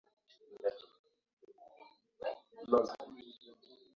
Tulisafiri na gari lao